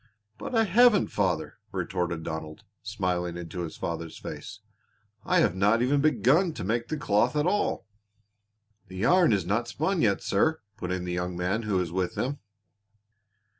"But I haven't, father," retorted Donald, smiling into his father's face. "I have not even begun to make the cloth at all." "The yarn is not spun yet, sir," put in the young man who was with them.